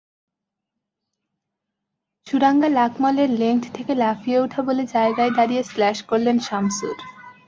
সুরাঙ্গা লাকমলের লেংথ থেকে লাফিয়ে ওঠা বলে জায়গায় দাঁড়িয়ে স্ল্যাশ করলেন শামসুর।